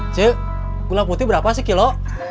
cek gula putih berapa sih kilo